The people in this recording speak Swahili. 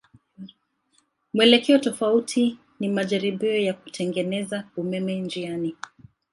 Mwelekeo tofauti ni majaribio ya kutengeneza umeme njiani.